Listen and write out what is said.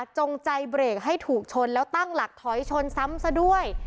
จงใจเบรกให้ถูกชนแล้วตั้งหลักถอยชนซ้ำซะด้วย